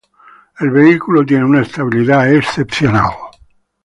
El vehículo tiene una estabilidad excepcional.